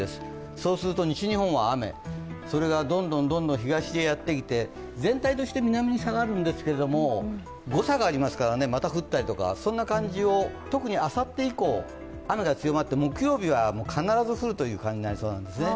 そうすると西日本は雨、それがどんどん東へやってきて、全体として南に下がるんですけども誤差がありますからまた降ったりとかそんな感じを特にあさって以降雨が強まって木曜日は必ず降るという感じになりそうなんですね。